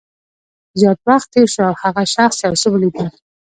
زیات وخت تېر شو او هغه شخص یو څه ولیدل